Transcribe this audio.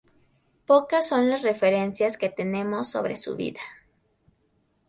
Pocas son las referencias que tenemos sobre su vida.